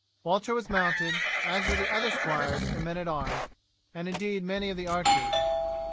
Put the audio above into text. Walter was mounted, as were the other squires and men at arms, and indeed many of the archers.